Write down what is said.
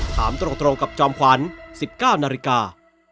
ถามตรงกับจอมขวัญ๑๙นาฬิกา